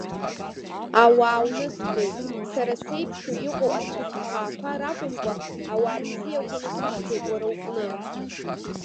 Ауаа унысҵоит, сара сеиԥш иҟоу ацәыххаақәа ракәымкәа, ауаа бзиақәа насышьҭуеит уара уҟны.